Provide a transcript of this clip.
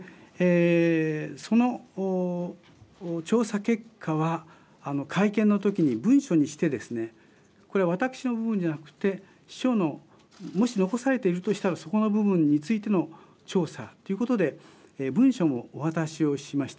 その調査結果は会見のときに文書にしてですねこれは私の部分ではなくて秘書の、もし残されているとしたら、そこの部分についての調査ということで文書もお渡しいたしました。